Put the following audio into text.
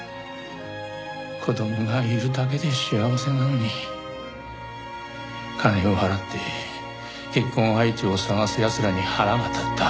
子供がいるだけで幸せなのに金を払って結婚相手を探す奴らに腹が立った。